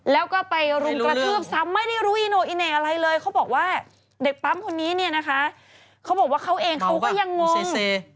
แล้วก็ไปรุมกระทืบซ้ำไม่ได้รู้อีโน่อีเหน่อะไรเลยเขาบอกว่าเด็กปั๊มคนนี้เนี่ยนะคะเขาบอกว่าเขาเองเขาก็ยังงง